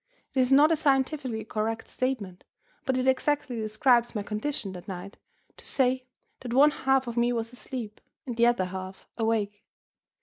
It is not a scientifically correct statement, but it exactly describes my condition, that night, to say that one half of me was asleep and the other half awake.